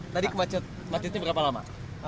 tadi macetnya berapa lama